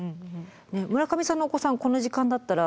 村上さんのお子さんこの時間だったら。